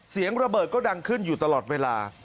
เสียงระเบิดก็ดังขึ้นอยู่ตลอดเวลา